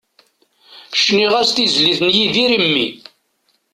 Cniɣ-as-d tizlit n Yidir i mmi.